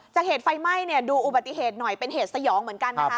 เหตุไฟไหม้เนี่ยดูอุบัติเหตุหน่อยเป็นเหตุสยองเหมือนกันนะคะ